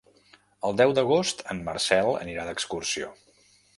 El deu d'agost en Marcel anirà d'excursió.